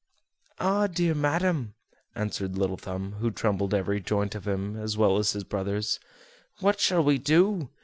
"Ah! dear madam," answered Little Thumb (who trembled every joint of him, as well as his brothers), "what shall we do?